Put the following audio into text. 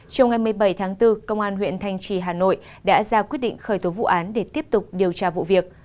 trong ngày một mươi bảy tháng bốn công an huyện thanh trì hà nội đã ra quyết định khởi tố vụ án để tiếp tục điều tra vụ việc